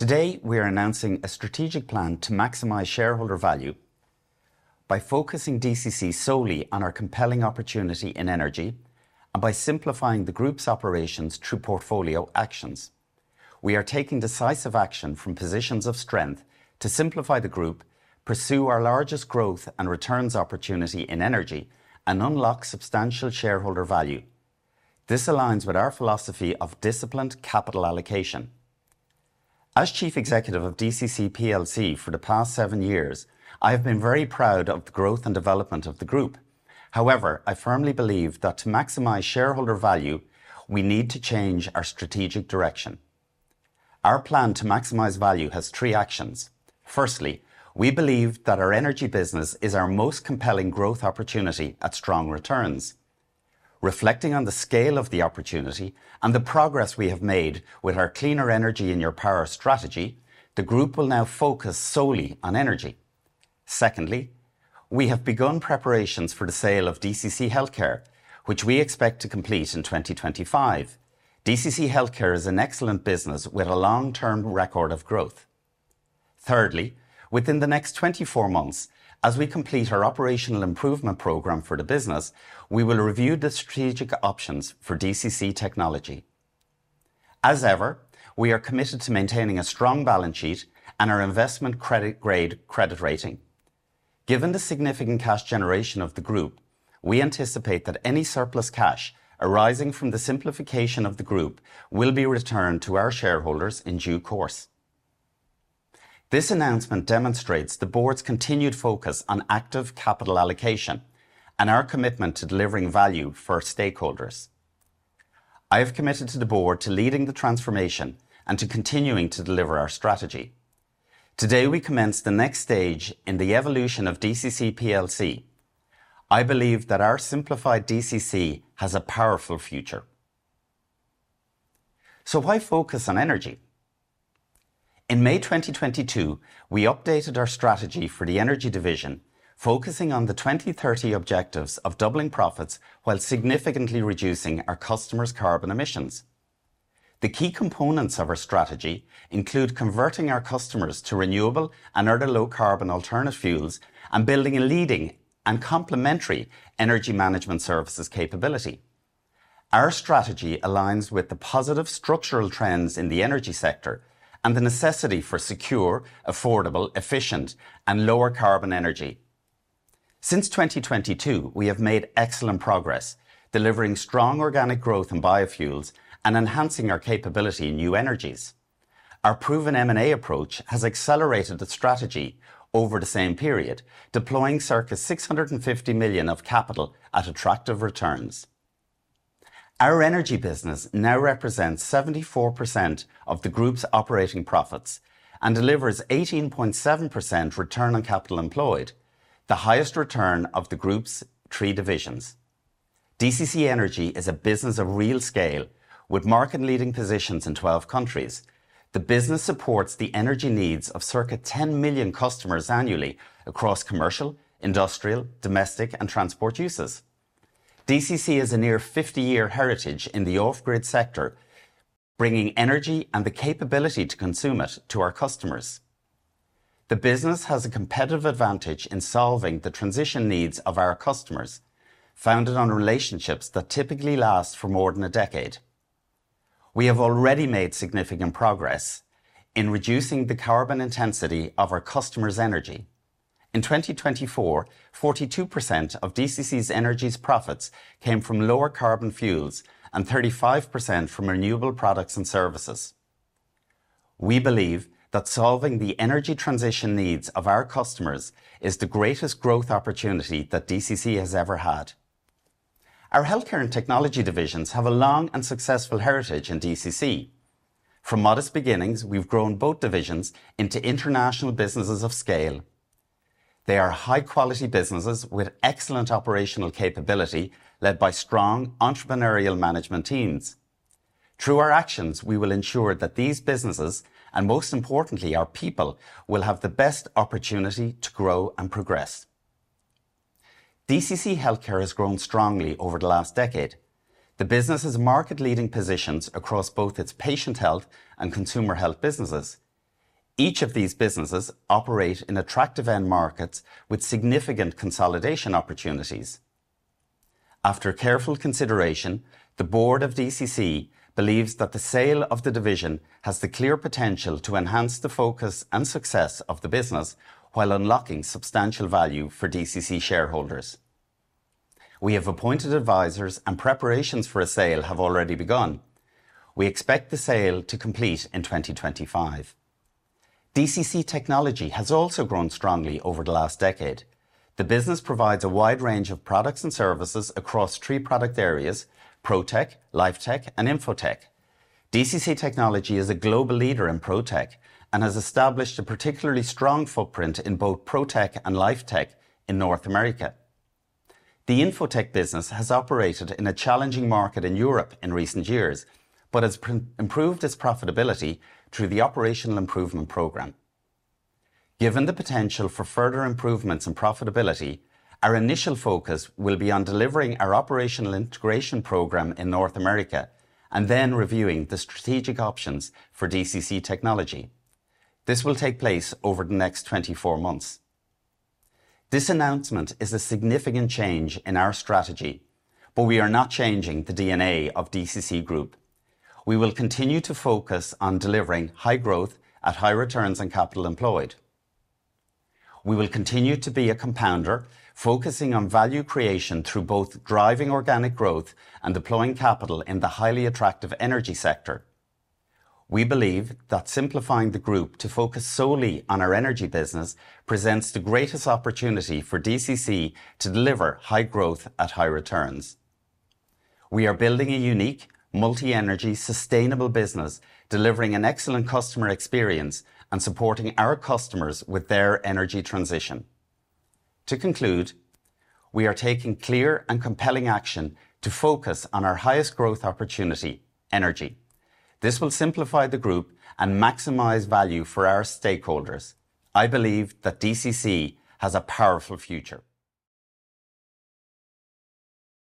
Today we are announcing a strategic plan to maximize shareholder value by focusing DCC solely on our compelling opportunity in energy and by simplifying the Group's operations through portfolio actions. We are taking decisive action from positions of strength to simplify the Group, pursue our largest growth and returns opportunity in energy, and unlock substantial shareholder value. This aligns with our philosophy of disciplined capital allocation. As Chief Executive of DCC PLC for the past seven years, I have been very proud of the growth and development of the Group. However, I firmly believe that to maximize shareholder value, we need to change our strategic direction. Our plan to maximize value has three actions. Firstly, we believe that our energy business is our most compelling growth opportunity at strong returns. Reflecting on the scale of the opportunity and the progress we have made with our Cleaner Energy in Your Power strategy, the Group will now focus solely on energy. Secondly, we have begun preparations for the sale of DCC Healthcare, which we expect to complete in 2025. DCC Healthcare is an excellent business with a long-term record of growth. Thirdly, within the next 24 months, as we complete our operational improvement program for the business, we will review the strategic options for DCC Technology. As ever, we are committed to maintaining a strong balance sheet and our investment grade credit rating. Given the significant cash generation of the Group, we anticipate that any surplus cash arising from the simplification of the Group will be returned to our shareholders in due course. This announcement demonstrates the Board's continued focus on active capital allocation and our commitment to delivering value for our stakeholders. I have committed to the Board to leading the transformation and to continuing to deliver our strategy. Today we commence the next stage in the evolution of DCC PLC. I believe that our simplified DCC has a powerful future. So why focus on energy? In May 2022, we updated our strategy for the Energy Division, focusing on the 2030 objectives of doubling profits while significantly reducing our customers' carbon emissions. The key components of our strategy include converting our customers to renewable and other low-carbon alternative fuels and building a leading and complementary energy management services capability. Our strategy aligns with the positive structural trends in the energy sector and the necessity for secure, affordable, efficient, and lower-carbon energy. Since 2022, we have made excellent progress delivering strong organic growth in biofuels and enhancing our capability in new energies. Our proven M&A approach has accelerated the strategy over the same period, deploying circa 650 million of capital at attractive returns. Our energy business now represents 74% of the Group's operating profits and delivers 18.7% return on capital employed, the highest return of the Group's three divisions. DCC Energy is a business of real scale with market-leading positions in 12 countries. The business supports the energy needs of circa 10 million customers annually across commercial, industrial, domestic, and transport uses. DCC has a near 50-year heritage in the off-grid sector, bringing energy and the capability to consume it to our customers. The business has a competitive advantage in solving the transition needs of our customers, founded on relationships that typically last for more than a decade. We have already made significant progress in reducing the carbon intensity of our customers' energy. In 2024, 42% of DCC's energy profits came from lower-carbon fuels and 35% from renewable products and services. We believe that solving the energy transition needs of our customers is the greatest growth opportunity that DCC has ever had. Our healthcare and technology divisions have a long and successful heritage in DCC. From modest beginnings, we've grown both divisions into international businesses of scale. They are high-quality businesses with excellent operational capability led by strong entrepreneurial management teams. Through our actions, we will ensure that these businesses and, most importantly, our people will have the best opportunity to grow and progress. DCC Healthcare has grown strongly over the last decade. The business has market-leading positions across both its patient health and consumer health businesses. Each of these businesses operates in attractive end markets with significant consolidation opportunities. After careful consideration, the Board of DCC believes that the sale of the division has the clear potential to enhance the focus and success of the business while unlocking substantial value for DCC shareholders. We have appointed advisors, and preparations for a sale have already begun. We expect the sale to complete in 2025. DCC Technology has also grown strongly over the last decade. The business provides a wide range of products and services across three product areas: Pro Tech, Life Tech, and InfoTech. DCC Technology is a global leader in Pro Tech and has established a particularly strong footprint in both Pro Tech and Life Tech in North America. The Info Tech business has operated in a challenging market in Europe in recent years but has improved its profitability through the operational improvement program. Given the potential for further improvements in profitability, our initial focus will be on delivering our operational integration program in North America and then reviewing the strategic options for DCC Technology. This will take place over the next 24 months. This announcement is a significant change in our strategy, but we are not changing the DNA of DCC Group. We will continue to focus on delivering high growth at high returns on capital employed. We will continue to be a compounder, focusing on value creation through both driving organic growth and deploying capital in the highly attractive energy sector. We believe that simplifying the Group to focus solely on our energy business presents the greatest opportunity for DCC to deliver high growth at high returns. We are building a unique, multi-energy, sustainable business, delivering an excellent customer experience and supporting our customers with their energy transition. To conclude, we are taking clear and compelling action to focus on our highest growth opportunity: energy. This will simplify the Group and maximize value for our stakeholders. I believe that DCC has a powerful future.